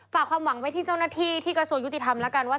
ฝากความหวังไว้ที่เจ้าหน้าที่ที่กระทรวงยุติธรรมแล้วกันว่า